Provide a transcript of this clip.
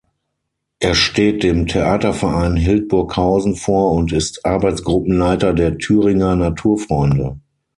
Er steht dem Theaterverein Hildburghausen vor und ist Arbeitsgruppenleiter der Thüringer Naturfreunde.